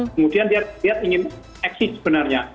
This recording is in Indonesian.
kemudian dia ingin eksis sebenarnya